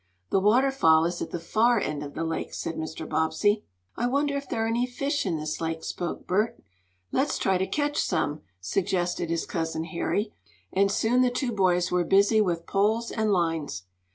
"The waterfall is at the far end of the lake," said Mr. Bobbsey. "I wonder if there are any fish in this lake?" spoke Bert. "Let's try to catch some," suggested his cousin Harry, and soon the two boys were busy with poles and lines.